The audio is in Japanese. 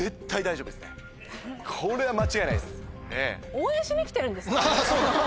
これは間違いないです。